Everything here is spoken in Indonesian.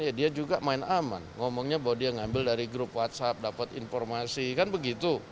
ya dia juga main aman ngomongnya bahwa dia ngambil dari grup whatsapp dapat informasi kan begitu